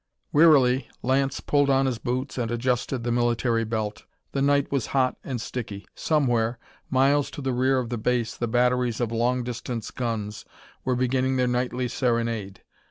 Wearily Lance pulled on his boots and adjusted the military belt. The night was hot and sticky; somewhere, miles to the rear of the base, the batteries of long distance guns were beginning their nightly serenade.